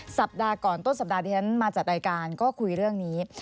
สัปดาห์ก่อนต้นสัปดาห์ที่ฉันมาจัดรายการก็คุยเรื่องนี้